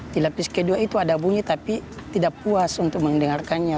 di lapis kedua itu ada bunyi tapi tidak puas untuk mendengarkannya